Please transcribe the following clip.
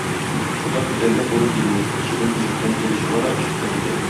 Озак көтәргә туры килми, чебен тишектән кире чыга да очып та китә.